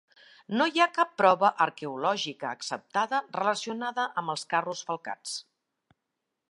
No hi ha cap prova arqueològica acceptada relacionada amb els carros falcats.